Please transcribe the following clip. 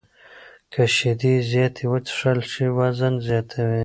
که شیدې زیاتې وڅښل شي، وزن زیاتوي.